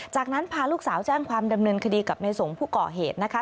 จากนั้นพาลูกสาวแจ้งความดำเนินคดีกับในสงฆ์ผู้ก่อเหตุนะคะ